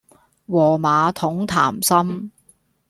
和馬桶談心